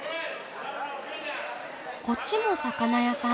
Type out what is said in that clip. こっちも魚屋さん。